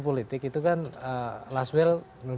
politik itu kan laswel